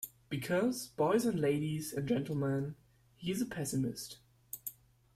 Because, boys and ladies and gentlemen, he is a pessimist.